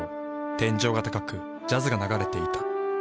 天井が高くジャズが流れていた。